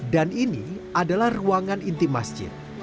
dan ini adalah ruangan inti masjid